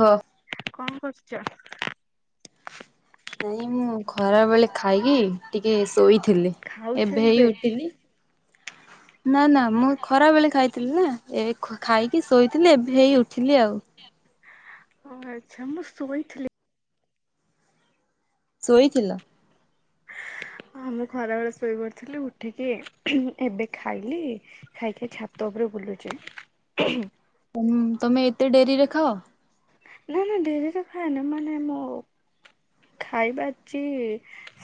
ହଁ କଣ କରୁଛ ନାଇ ମୁ ଖରା ବେଳେ ଖାଇକି ଟିକେ ଶୋଇଥିଲେି ଏବେ ହେଇ ଉଠିଲି ନା ନା ମୁଁ ଖରାବେେଳେ ଖାଇଥିଲି ନା ଏ ଖାଇକି ଶୋଇଥିଲେି ଏବେ ହେଇ ଉଠିଲି ଆଉ ଓ ଆଚ୍ଛା ମୁଁ ଶୋଇଥିଲି ଶୋଇଥିଲ ମୁଁ ଖରା ବେଳେ ଶୋଇପାରୁଥିଲି ଉଠିକି ଏବେ ଖାଇଲି ଖାଇକି ଛାତ ଉପରେ ବୁଲୁଛି ତ ତମେ ଏତେ ଡେରିରେଖାଅ ନା ନା ଦେରି ତ ଖାଇନ ମାନେ ମୁଁ ଖାଇବାାରଚ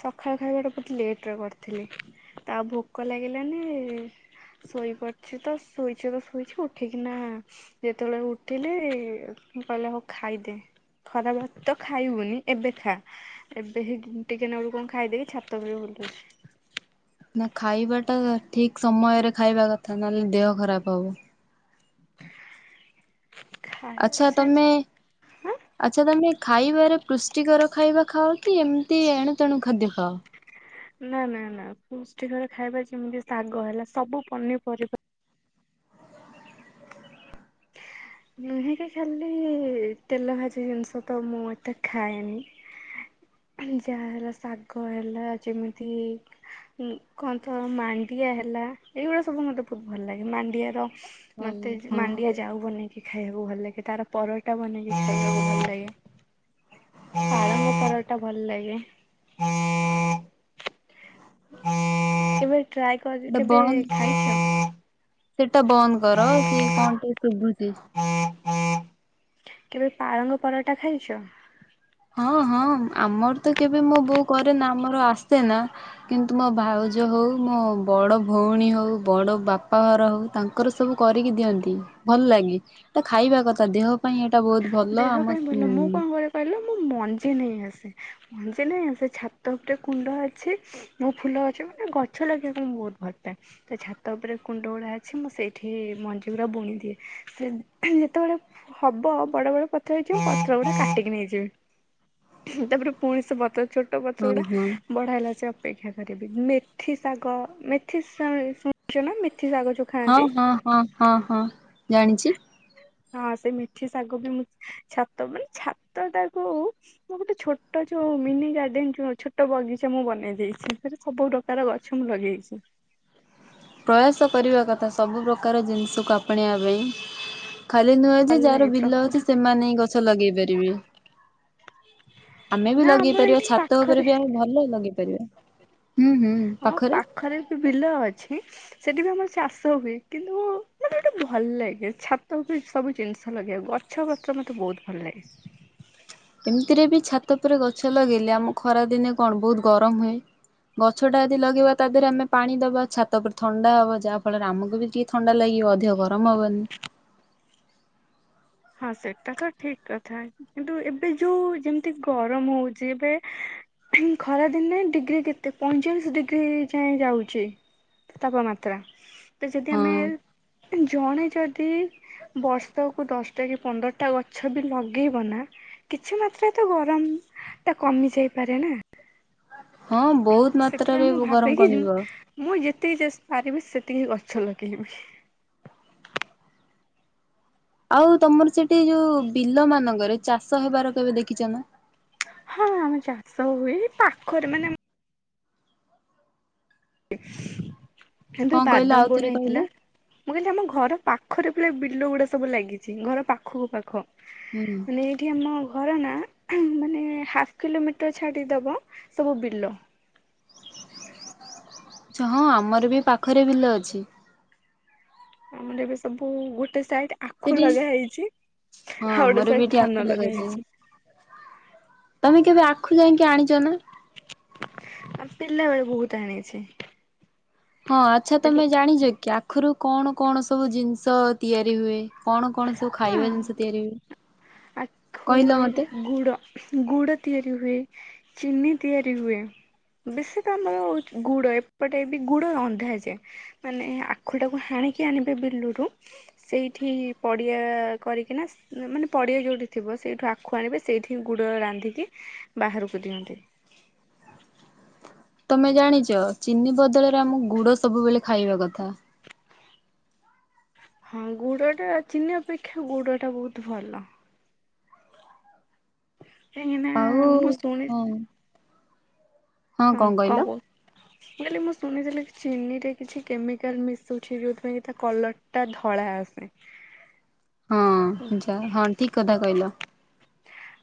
ସକାଳ ଖାଇବାଟା ବହୁତ ଲେଟରେ କରିଥିଲି ତା ଆଉ ଭୋକ ଲାଗିଲାନି ଶୋଇପାରୁଛି ତ ଶୋଇଛ ତ ଶୋଇଛ ଉଠିକିନା ଯେତେବେଳେ ଉଠିଲେ କହିଲେ ହଉ ଖାଇଦେ ଖରାପ ତ ଖାଇବୁନି ଏବେ ଖା ଏବେ ଟିକେ ନଳ କଣ ଖାଇଦେଇକି ଛାତ ଭୁଲଛି ନା ଖାଇବା ଟା ଠିକ ସମୟରେ ଖାଇବା କଥା ନହେଲେ ଦେହ ଖରାପ ହବ ଖାଇବା ଆଚ୍ଛା ତମେ ସେମ ଆଚଛା ତମେ ଖାଇବାରେ ପୃଷ୍ଟିକର ଖାଇବା ଖାଅ କି ଏମିତି ଏଣୁ ତେଣୁ ଖାଦ୍ୟ ଖାଅ ନା ନା ନା ପୃଷ୍ଟଟି ଘର ଖାଇବା ଯେମିତି ଶାଗ ହେଲା ସବୁ ପନିପରିବା ନୁହେଁ କି ଖାଲି ତେଲ ଭାଜି ଜିନିଷ ତ ମୁଁ ଏତେ ଖାଏନି ଯାହା ହେଲା ଶାଗ ହେଲା ଯେମିତି କଣନ୍ତ ମାଣ୍ଡିଆ ହେଲା ଏଇଗୁଳିା ସବୁ ମତେ ବହୁତ ଭଲ ଲାଗେ ମାଣ୍ଡିଆର ହଁ ମତେ ହଁ ମାଣ୍ଡିଆ ଯାଉ ବନେଇକ ଖାଇବାକୁ ଭଲ ଲାଗେ ତାର ପରଟା ବନେଇକି ଖାଇବାକୁ ଭଲ ଲାଗେ ପାଳଙ୍ଗ ପର ଟା ଭଲ ଲାଗେ ଏବୋର ୍ରଏ କର ସେଟା କେବେ ଖାଇଛ ସେଇଟା ବନ୍ଦ କର ସିଏ କଣ ଟୁ ତି ହଁ କେବେ ପାଳଙ୍ଗ ପରଟା ଖାଇଛ ହଁ ହଁ ଆମର ତ କେବେ ମୋ ବୋଉ କରେ ନା ଆମର ଆସେ ନା କିନ୍ତୁ ମୋ ଭାଉଜ ହଉ ମୋ ବଡ ଭଉଣୀ ହଉ ବଡ ବାପା ଘର ହଉ ତାଙ୍କର ସବୁ କରିକି ଦିଅନ୍ତି ଭଲ ଲାଗେ ଏଟା ଖାଇବା କଥା ଦେହ ପାଇଁ ଏଟା ଟା ବହୁତ ଭଲ ଦେହ ଆମ ପାଇଁ ଭଲ ଉ ମୁଁ କଣ କରେ କହିଲ ମୁଁ ମଞ୍ଜି ନେଇ ଆସେ ମଞ୍ଜି ନେଇ ଆସେ ଛାତ ଉପରେ କୁଣ୍ଡ ଅଛି ମୋ ଫୁଲ ଗଛ ମାନେ ଗଛ ଲଗେଇବାକୁ ମୁଁ ବହୁତ ଭଲ ପାାଏ ତ ଛାତ ଉପରେ କୁଣ୍ଡ ଗୁଡ଼ା ଅଛି ମୁଁ ସେଇଠି ମଞ୍ଜି ଗୁଡ଼ା ବୁଣି ଦିଏ ସେ ଯେତେବେଳେ ହବ ବଡ ବଡ ପଥର ହେଇଯିବ ପଥର ବ କାଟିକି ନେଇଯିବ ତାପରେ ପୁଣି ସେ ବତର ଛୋଟ ଗଛ ଗୁଡା ହଁ ହଁ ବଡହେଲା ଅପେକ୍ଷା କରିବି, ମେଥି ଶାଗ, ମେଥି ଶୁଣୁଛ ନା? ଶାଗ ଯୋଉ ହଁ, ଖାଆନ୍ତି ହଁ, ହଁ, ହଁ, ହଁ । ଜାଣିଛି। ହଁ, ସେ ମିଠି ଶାଗ ବି ମୁଁ ଛାତ, ମାନେ ଛାତ ଟାକୁ, ମୁ ଗୋଟେ ଛୋଟ ଯୋଉ ମିନି ଗାର୍ଡେନ, ଯୋଉ ଛୋଟ ବଗିଚା, ମୁଁ ବନେଇ ଦେଇଛି, ସେରେ ସବୁ ପ୍ରକାର ଗଛ ମୁଁ ଲଗେଇଛି। ପ୍ରୟାସ କରିବା କଥା, ସବୁ ପ୍ରକାର ଜିନିଷକୁ ଆପଣୈବା ପାଇଁ ଖାଲି ନୁହେଁ, ଯେ ଭଲ ଲାଗେ ଯାହାର ବିଲ ଅଛି, ପ୍ରକୃତି ସେମାନେ ହିଁ ଗଛ ଲଗେଇ ପାରିବେ। [inaudible] ଆମେ ବି ନା ଲଗେଇ ଆମର ପାରିବା, ଏଇଠି ଛାତ ଉପରେ ପାଖରେ ବି ଆମେ ଭଲ ଲଗେଇ ପାରିବା, ହୁଁ, ହୁଁ, ଆମ ପାଖରେ ବି ବିଲ ଅଛି ସେଠି ବି ଆମର ଚାଷ ହୁଏ, କିନ୍ତୁ ମତେ ଗୋଟେ ଭଲ ଲାଗେ, ଛାତ ଉପ ସବୁ ଜିନିଷ ଲଗେଇବାକୁ, ଗଛ ପତ୍ର ମତେ ବହୁତ ଭଲ ଲାଗେ । ଏମିତିରେ ବି, ଛାତ ଉପରେ ଗଛ ଲଗେଇଲେ, ଆମ ଖରା ଦିନେ କଣ, ବହୁତ ଗରମ ହୁଏ, ଗଛ ଟା ଯଦି ଲଗେଇବା, ତା ଦେହରେ ଆମେ ପାଣି ଦବା, ଛାତ ଉପରେ ଥଣ୍ଡା ହବ, ଯାହା ଫଳରେ ଆମକୁ ବି ଟିକେ ଥଣ୍ଡା ଲାଗିବ, ଅଧିକ ଗରମ ହବନି। ହଁ, ସେଟା ତ ଠିକ କଥା, କିନ୍ତୁ ଏବେ ଯୋଉ ଯେମିତି ଗରମ ହଉଛି, ଏବେ ଖରାଦିନେ ଡିଗ୍ରୀ କେତେ, ପଇଁଚାଳିଶ ଡିଗ୍ରୀ ଯାଏ ଯାଉଛି ତାପମାତ୍ରା ତ, ଯଦି ହଁ ଆମେ ଜଣେ ଯଦି ବର୍ଷକୁୁ ଦଶ ଏଇ ପନ୍ଦରଟା ଗଛ ବି ଲଗେଇବ, ନା, କିଛି ମାତ୍ରାରେ ତ ଗରମ ଟା କମି ଯାଇପାରେ ନା? ହଁ, ବହୁତ ସେଥିପାଇଁ ମାତ୍ରାରେ ମୁଁ ଭାବେ ଗରମ କି କମିବ। [unintelligible] ସେତିକି ଗଛ ଲଗେଇବି। ଆଉ, ତମର ସେଠି ଯୋଉ ବିଲ ମାନଙ୍କରେ ଚାଷ ହେବାର, କେବେ ଦେଖିଛ ନା? ହଁ, ଆମ ଚାଷ ହୁଏ, ପାଖରେ ମାନେ [unintelligible] କଣ [unintelligible] କହିଲ ବାଦମ ବୁଣା ଆଉଥରେ କହିଲ? ହେଇଥିଲା, ମୁଁ କିନ୍ତୁ ଆମ ଘର ପାଖରେ ପୁରା ବିଲ ଗୁଡା ସବୁ ଲାଗିଛି, ଘର ପାଖକୁ ପାଖ। ହୁଁ ମାନେ, ଏଇଠି ଆମ--ବ୍ ଘର ନା, ମାନେ ହାଫ କିଲୋମିଟର ଛାଡି ଦବ, ସବୁ ବିଲ। [inaudible] ହଁ, ଆମର ବି ପାଖରେ ବିଲ ଅଛି । ଆମର ଏବେ ସବୁ ଗୋଟେ [unintelligible] ସେଠି, ଲଗା ହେଇଛି ହଁ, ଆଉ ଗୋଟେ ଆମର ସାଇଡ ବି ଏଠି ଧାନ ଆଖ ଲଗା ଲଗାଯାଏ, ହେଇଛି। ତମେ କେବେ ଆଖୁ ଯାଇକି ଆଣିଛ ନା? ଆମ ପିଲାବେଳେ ବହୁତ ଆଣିଛି । ହଁ, ଆଚ୍ଛା, ତମେ ଜାଣିଛ କି? ଆଖୁରୁ କଣ କଣ ସବୁ ଜିନିଷ ତିଆରି ହୁଏ, କଣ? କଣ ସବୁ ଖାଇବା ଜିନିଷ ତିଆରି ହୁଏ ହଁ, ଆଖରୁ କହିଲ ମତେ? ଗୁଡ, ଗୁଡ ତିଆରି ହୁଏ । ଚିନି ତିଆରି ହୁଏ, ବେଶୀ ତ ଆମର ଗୁଡ, ଏପଟେ ବି ଗୁଡ ଅନ୍ଧା ଯାଏ, ମାନେ ଆଖୁଟାକୁ ହାଣିକି ଆଣିବେ ବିଲରୁ, ସେଇଠି ପ ପଡିଆ କରିକିନା, ମାନେ ପଡିଆ ଯୋଉଠି ଥିବ, ସେଇଠୁ ଆଖୁ ଆଣିବେ, ସେଇଠି ଗୁଡ ରାନ୍ଧିକି ବାହାରକୁ ଦିଅନ୍ତି । ତମେ ଜାଣିଛ, ଚିନି ବଦଳରେ ଆମକୁ ଗୁଡ ସବୁବେଳେ ଖାଇବା କଥା । ହଁ, ଗୁଡ ଟା ଚିନି ଅପେକ୍ଷା, ଗୁଡ ଟା ବହୁତ ଭଲ । ଏଇ ନା, ଆଉ ମୁ ଶୁଣି ହଁ ହଁ, କଣ କହୁ କାଲି ମୁଁ ଶୁଣିଥିଲି ଚିନି ରେ କିଛି କେମିକାଲ ମିଶୁଛି ଯୋଉଥିପ କି ତା କଲର ଟା ଧଳା ଆସେ ହଁ ଯ ହଁ ଠିକ କଥା କହିଲ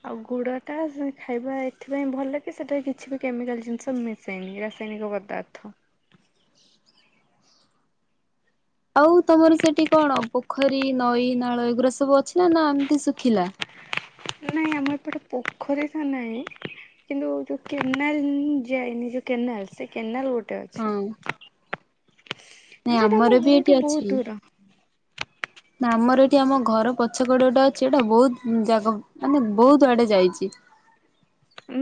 ଆଉ ଗୁଡ଼ ଟା ଖାଇବା ଏଥିପାଇଁ ଭଲ କି ସେଠାରେ କିଛି ବି କେମିକାଲ ଜିନିଷ ମିଶେନି ରାସାୟନିକ ପଦାର୍ଥ ଆଉ ତମର ସେଠି କଣ ପୋଖରୀ ନଈ ନାଳ ଏଗୁଡା ସବୁ ଅଛି ନା ନା ଏମିତି ଶୁଖିଲା ନାଇଁ ଆମର ଏପଟେ ପୋଖରୀ ତ ନାହିଁ କିନ୍ତୁ ଯୋଉ କେନାଲ ଯାଇନି ଯୋଉ କେନାଲ ସେ କେନାଲ ଗୋଟେ ହଁ ସେଟେ ଅଛ- ନାଇଁ ଆମର ବି ଘରଠୁ ଏଇଠି ବହୁତ ଅଛି ଦୂର ନା ଆମର ଏଠି ଆମ ଘର ପଛକଡ ଗଟା ଅଛି ଏଇଟା ବହୁତ ଜାଗା ମାନେ ବହୁତ ଆଡେ ଯାଇଛି-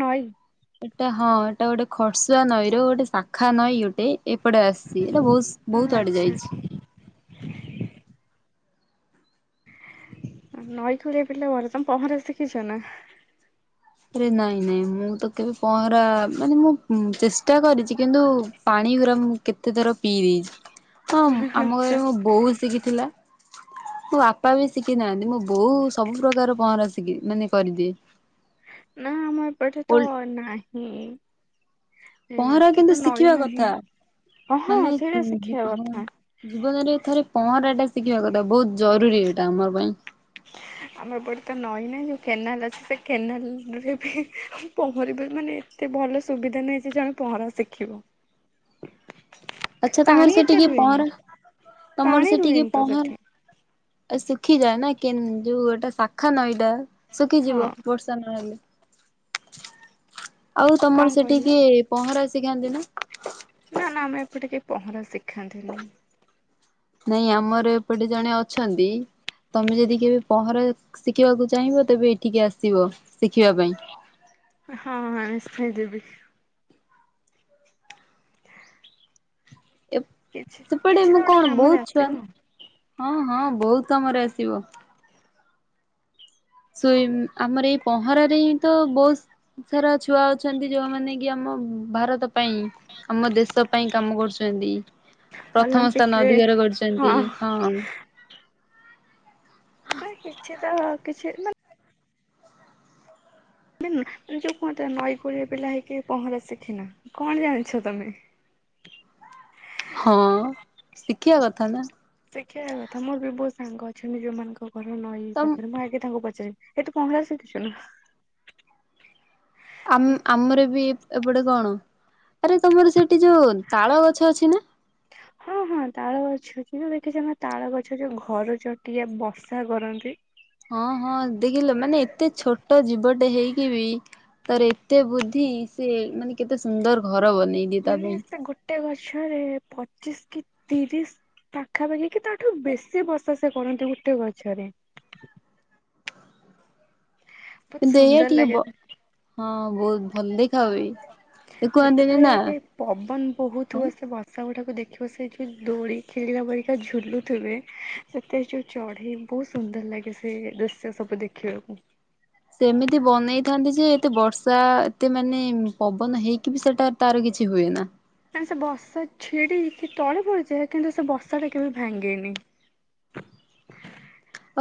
ନଈ ଏଟା ହଁ ଏଟା ଗୋଟେ ଖରସୁଆ ନଈ ର ଗୋଟେ ଶାଖା ନଈ ଗୋଟେ ଏପଟେ ଆସିଛି ହେ ବହୁତ ବହୁତ ଆଡେ ଆଚ୍ଛା ଯାଇଛି ନଈକଳି ପିଲା ବର୍ତମ ପହଁରା ଶଖିଛ ନା ଆରେ ନାଇଁ ନାଇଁ ମୁଁ ତ କେବେ ପହଁରା ମାନେ ମୁଁ ଚେଷ୍ଟା କରିଛି କିନ୍ତୁ ପାଣି ପୁରା ମୁଁ କେତେ ଥର ପିଇ ଦେଇଛି ହଁ ଆମ ଆଚ୍ଛା। ଘରେ ମୁଁ ବହୁତ ଶିଖିଥିଲା ମୁଁ ବାପା ବି ଶିଖି ନାହାନ୍ତି ମୁଁ ବୋଉ ସବୁ ପ୍ରକାର ପହଁରା ଶିଖି ମାନେ କରିଦିଏ। ନା ଆମର ଏଠେ ତ ଓଲ୍ ନାଇଁ ହୁଁ ପହଁରା କିନ୍ତୁ ଶିଖିବା କଥା। ଓହଁ ମାନେ ସେଇଟା ହଁ ଶିଖିବା କଥା ଜୀବନରେ ଥରେ ପହଁରା ଟା ଶିଖିବା କଥା ବହୁତ ଜରୁରୀ ଏଟା ଆମର ପାଇଁ ଆମର ଏ ପଟେ ତ ନଈ ନହିଁ ଯୋଉ କେନାଲ ଅଛି, ସେ କେନାଲ ରେ ବି ପହଁରିବାର ମାନେ ଏତେ ଭଲ ସୁବିଧା ନାହିଁଛି ଯେ ଆମେ ପହଁରା ଶିଖିବ ଆଛା ପାଣି ତମର ସେ ଏତେ ଟିକେ ରୁହେନି ପହଁରା ତମର ପାଣି ସେ ଟିକେ ରୁହେନି ତ ସେଠି ପହଁର ଶୁଖିଯାଏ ନା କେ ଯୋଉ ଗୋଟେ ଶାଖା ନ ଏଇଟା ହଁ ଶୁଖିଯିବ ବର୍ଷା ନହେଲେ ଆଉ କଣ ତମର କହିଲେ? ସେଠିକି ପହଁରା ଶିକାନ୍ତି ନା ନା ନା ଆମେ ଏପଟେ କେହି ପହଁରା ଶିଖାନ୍ତିନି ନାଇଁ ଆମର ଏପଟେ ଜଣେ ଅଛନ୍ତି। ତମେ ଯଦି କେବେ ପହଁରା ଶିଖିବାକୁ ଚାହିଁବ ତେବେ ଏଠିକି ଆସିବ ଶିଖିବା ପାଇଁ। ହଁ ହଁ ନିଶ୍ଚ ଯିବି ଏ କିଛି ସେପଟେ କିଛି ତ ମୁଁ ଗୋଟେ କଣ କାମରେ ବହୁତ ଛୁଆ ଆସିବ ହଁ ହଁ ବହୁତ କାମରେ ଆସିବ ସୁଇ ଆମର ଏଇ ପହଁରାରେ ହିଁ ତ ବହୁତ ସାରା ଛୁଆ ଅଛନ୍ତି ଯୋଉମାନେ କି ଆମ ଭାରତ ପାଇଁ ଆମ ଦେଶ ପାଇଁ କାମ କରୁଛନ୍ତି ପ୍ରଥମ ଅଲମ୍ପିକ ସ୍ଥାନ ରେ ଅଧିକାର କରିଛନ୍ତି ହଁ କିଛି ତ କିଛି [unintelligible] ଯୋଉ କୁହନ୍ତି ନଈକୁଳିଆ ପିଲା ହେଇକି ପହଁରା ଶିଖିନ କଣ ଜାଣିଛ ତମେ? ହଁ। ଶିଖିବା କଥା ନା ଶିଖିବା କଥା ମୋର ବି ବହୁତ ସାଙ୍ଗ ଅଛନ୍ତି ଯୋଉ ମାନଙ୍କୁ ଘର ନଈ ତମ୍ ପାଖରେ ମୁଁ ଆଗେ ତାଙ୍କୁ ପଚ ସେ ଏ ତୁ ପହଁରା ଶିଖିଚୁ ନା? ଆ ଆମର ବି ଏପଟେ କଣ ଆରେ ତମର ସେଠି ଯୋଉ ତାଳ ଗଛ ଅଛି ନା? ହଁ ହଁ ତାଳ ଗଛ ଅଛି ଯଁ ଦେଖିଛ ନା ତାଳ ଗଛ ଯୋଉ ଘର ଚଟିଆ ବର୍ଷା କରନ୍ତି। ହଁ ହଁ ଦେଖିଲ ମାନେ ଏତେ ଛୋଟ ଜୀବଟେ ହେଇକି ବି ତାର ଏତେ ବୁଦ୍ଧି ସେ ମାନେ କେତେ ସୁନ୍ଦର ଘର ବନେଇ ଦିଏ ତା ମାନେ ପାଇଁ। ସେ ଗୋଟେ ଗଛରେ ପଚିଶ କି ତିରିଶ ପାଖାପାଖି କି ତାଠୁ ବେଶୀ ବର୍ଷା ସେ କରନ୍ତି ଗୋଟେ ଗଛରେ। ବହୁତ ଦେୟ ସୁନ୍ଦର ଟିକେ ଲାଗେ ଵ ହଁ ବହୁତ ଭଲ ଦେ ଯେତେବେଳେ ପବନ ବହୁତ ହଁ ହୁଏ ସେ ବର୍ଷା ଗୁଡାକୁ ଦେଖ ତାପରେ ସେଠି ଦୋଡି ଖେଳିଲା ପରିକା ଝୁଲୁଥିବେ ସେଥିରେ ଯୋଉ ଚଢେଇ ବହୁତ ସୁନ୍ଦର ଲାଗେ ସେ ଦୃଶ୍ୟ ସବୁ ଦେଖିବାକୁ। ସେମିତି ବନେଇଥାନ୍ତି ଯେ ଏତେ ବର୍ଷା ଏତେ ମାନେ ପବନ ହେଇକି ବି ସେଟା ତାର କିଛି ହୁଏ ନା। କାଇ ସେ ବସା ଛିଡିି କି ତଳେ ପଡ଼ିଯାଏ କିନ୍ତୁ ସେ ବସା ଟା କେବେ ଭାଙ୍ଗେନି।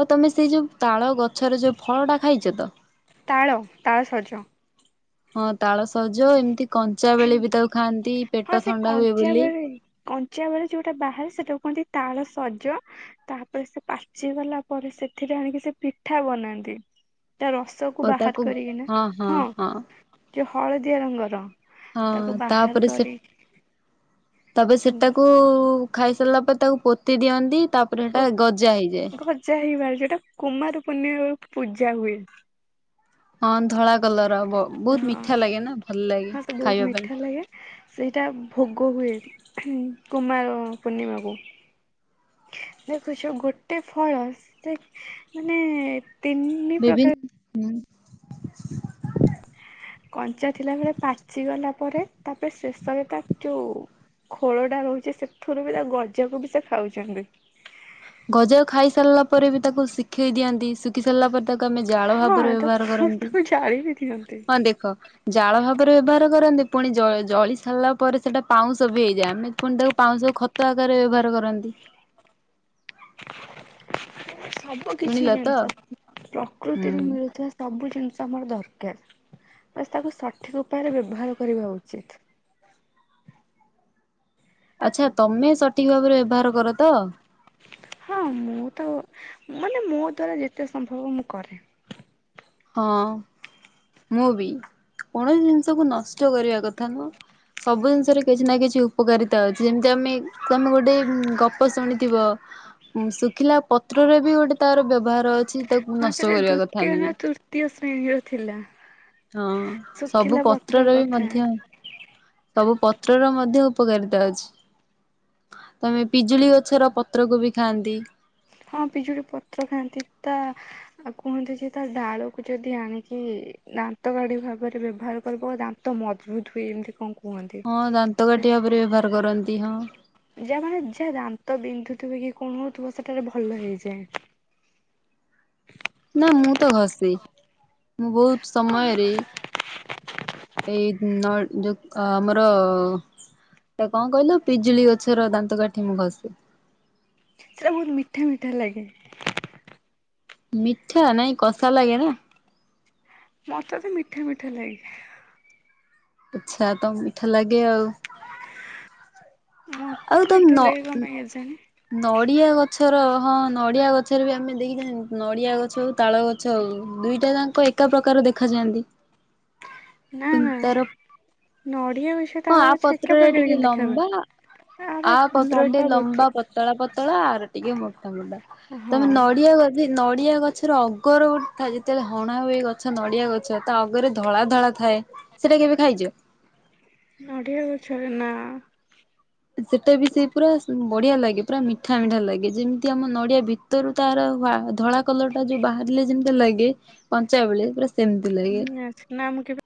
ଆଉ ତମେ ସେଇ ଯୋଉ ତାଳ ଗ ଗଛରେ ଯୋଉ ଫଳ ଟା ଖାଇଛ ତ? ତାଳ ତାଳ ସଜ ହଁ ତାଳ ସଜ ଏମିତି କଞ୍ଚା ବେଳେ ବି ତାକୁ ଖାଆନ୍ତି ହଁ ପେଟ ସେ ଥଣ୍ଡା ହୁଏ କଞ୍ଚା ବୋଲି। ବଳେ କଞ୍ଚା ବେଳେ ଯୋଉଟା ବାହାରେ ସେଟାକୁ କୁହନ୍ତି ତାଳ ସଜ ତାପରେ ସେ ପାଚି ଗଲା ପରେ ସେଥିରେ ଆଣିକି ସେ ପିଠା ବନାନ୍ତି। ତା ରସ କୁ ଓ ବାହାର ତାକୁ କରିକିନା ହଁ ହଁ ହଁ ହଳଦିଆ ରଙ୍ଗର ହଁ ତାକୁ ବାହାର ତାପରେ ସେ କରି ତବେ ସେଟାକୁ ଖାଇ ସାରିଲା ପରେ ତାକୁ ପୋତି ଦିଅନ୍ତି ତାପରେ ସେଟା ଗଜା ହେଇଯାଏ। ଟା କୁମାର ପୂର୍ଣ୍ଣିମା ବେଳକୁ ପୂଜା ହୁଏ। ହଁ ଧଳା କଲର ବହୁତ ହଁ ମିଠା ଲାଗେ ନା ଭଲ ଲାଗେ ହଁ ତ ବହୁତ ଖାଇବା ମିଠା ଲାଗେ ସେଇଟା ପାଇଁ। ଭୋଗ ହୁଏ କୁମାର ପୂର୍ଣ୍ଣିମାକୁ ଦେଖୁଛ ଗୋଟେ ଫଳ ସେ ମାନେ ତିନି ପ୍ରକାର ହୁଁ। କଞ୍ଚା ଥିଲାବେଳେ ପାଚି ଗଲା ପରେ ତାପରେ ଶେଷରେ ତା ଯୋଉ ଖୋଳ ଟା ରହୁଛି ସେଥିରୁ ବି ତା ଗଜକୁ ବି ସେ ଖାଉଛନ୍ତି। ଗଜ ଖାଇ ସାରିଲା ପରେ ବି ତାକୁ ଶିଖେଇ ଦିଅନ୍ତି ଶୁଖି ସାରିଲା ପରେ ତାକୁ ଆମେ ଜାଳ ହଁ ଭାବରେ ବ୍ୟବହାର ତାକୁ କରନ୍ତି ତାକୁ ଜାଳି ବି ଦିଅନ୍ତି ହଁ ଦେଖ ଜାଳ ଭାବରେ ବ୍ୟବହାର କରନ୍ତି ପୁଣି ଜ ଜଳି ସାରିଲା ପରେ ସେଟା ପାଉଁଶ ବି ହେଇଯାଏ ଆମେ ପୁଣି ତାକୁ ପାଉଁଶ ଖତ ଆକାରରେ ବ୍ୟବହାର କରନ୍ତି। ସବୁ କିଛି ଶୁଣିଲ ତ ଜିନିଷ ହୁଁ ପ୍ରକୃତିରେ ମିଳୁଥିବା ସବୁ ଜିନିଷ ତାମରା ଦରକାର ବାସ୍ ତାକୁ ସଠିକ ଉପାୟରେ ବ୍ୟବହାର କରିବା ଉଚିତ। ଆଚଲଛା ତମେ ସଠିକ ଭାବରେ ବ୍ୟବହାର କର ତ? ହଁ ମୁଁ ତ ମାନେ ମୋ ଦ୍ଵାରା ଯେତେ ସମ୍ଭବ ମୁଁ କରେ। ହଁ ମୁଁ ବି କୌଣସି ଜିନିଷକୁ ନଷ୍ଟ କରିବା କଥା ନୁହଁ ସବୁ ଜିନିଷରେ କିଛି ନା କିଛି ଉପକାରିତା ଅଛି ଯେମିତି ଆମେ ତମେ ଗୋଟେ ଗପ ଶୁଣିଥିବ ଶୁଖିଲା ପତ୍ରରେ ବି ଗୋଟେ ତାର ବ୍ୟବହାର ଅଛି। ତାକୁ ହଁ ନଷ୍ଟ ସେଟା କରିବା କଥା ଦ୍ଵିତୀୟ ନା ନୁହେଁ। ତୃତୀୟ ଶ୍ରେଣୀରେ ଥିଲା। ହଁ ସବୁ ଶୁଖିଲା ପତ୍ର ପତ୍ରର ବି କଥା ମଧ୍ୟ ସବୁ ପତ୍ରର ମଧ୍ୟ ଉପକାରିତା ଅଛି ତମେ ପିଜୁଳି ଗଛର ପତ୍ରକୁ ବି ଖାଆନ୍ତି। ହଁ ପିଜୁଳି ପତ୍ର ଖାଆନ୍ତି ତା ଆଉ କୁହନ୍ତି ଯେ ତା ଡାଳକୁ ଯଦି ଆଣିକି ଦାନ୍ତ କାଢି ଭାବରେ ବ୍ୟବହାର କରିବ ଦାନ୍ତ ମଜବୁତ ହୁଏ ଏମିତି କଣ କ ହଁ ଦାନ୍ତ କାଠି ଭାବରେ ବ୍ୟବହାର କରନ୍ତି ହଁ। ଯା ମାନେ ଯା ଦାନ୍ତ ବିନ୍ଧୁଥିବ କି କଣ ହଉଥିବ ସେଟାରେ ଭଲ ହେଇଯାଏ। ନା ମୁଁ ତ ଘସେ। ମୁଁ ବହୁତ ସମୟରେ ଏଇ ନ ଦୁକ ଆମର ତ କଣ କହିଲୁ ପିଜୁଳି ଗଛର ଦାନ୍ତ କାଠି ମୁଁ ଘଷେ। ହେଲା କି? ମିଠା ନାଇଁ କଷା ଲାଗେ ନା। ମତେ ତ ମିଠା ମିଠା ଲାଗେ। ଆଛା ତ ତମକୁ ମିଠା ଲାଗେ ଆଉ। ଆଉ ମୋତେ ତମେ ନ ମିଠା ଲାଗେ କଣ ପାଇଁ କେଜାଣି। ନଡିଆ ଗଛର ହଁ ନଡିଆ ଗଛରେ ବି ଆମେ ଦେଖି ନଡିଆ ଗଛ ଆଉ ତାଳ ଗଛ ହଉ ଦୁଇଟା ଯାଙ୍କ ଏକା ପ୍ରକାର ଦେଖାଯାଆନ୍ତି। ନା କିନ୍ତୁ ନା ତାର ନ ହଁ ଆ ପତ୍ରରେ ଟିକେ ଲମ୍ବା ଆର ଆ ପତ୍ରରେ ଟିକେ ଲମ୍ବା ପତ୍ର ପତଳା ପତ୍ର ଆର ଟିକେ ମୋ ମୋଟା ମୋଟା ହଁ ତମେ ନଡିଆ ଗ ନଡିଆ ଗଛର ଅଗର ଗୋଟେ ଥାଏ ଯେତେବେଳେ ହଣା ହୁଏ ଗଛ ନଡିଆ ଗଛ ତା ଅଗରେ ଧଳା ଧଳା ଥାଏ ସେଟା କେବେ ଖାଇଚ? ନଡିଆ ଗଛର ନା। ସେଟା ବି ସେ ପୁରା ବଢିଆ ଲାଗେ ପୁରା ମିଠା ମିଠା ଲାଗେ ଯେମିତି ଆମ ନଡିଆ ଭିତରୁ ତାର ଧଳା କଲର ଟା ଯୋଉ ବାହାରିଲେ ଯେମିତି ଲାଗେ କଞ୍ଚା ବେଳେ ପୁରା ସେମିତି ଲାଗେ। ହୁଁ ଆ ନା ମୁକେବେ